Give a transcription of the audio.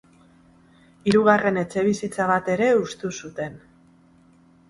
Hirugarren etxebizitza bat ere hustu zuten.